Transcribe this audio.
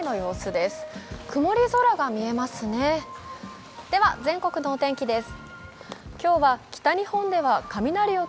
では全国のお天気です。